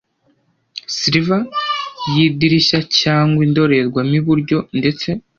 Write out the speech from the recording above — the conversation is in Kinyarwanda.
Sliver yidirishya cyangwa indorerwamo iburyo, ndetse